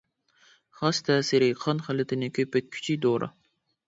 خاس تەسىرى قان خىلىتىنى كۆپەيتكۈچى دورا.